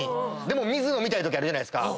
でも水飲みたいときあるじゃないですか。